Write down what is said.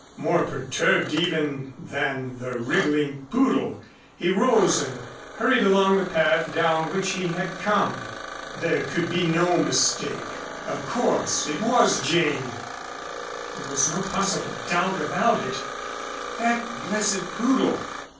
More perturbed even than the wriggling poodle, he rose and hurried along the path down which he had come. There could be no mistake. Of course, it was Jane! There was no possible doubt about it! That blessed poodle!